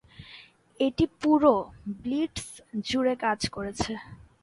এটা পুরো ব্লিটজ জুড়ে কাজ করেছে।